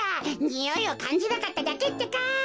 においをかんじなかっただけってか！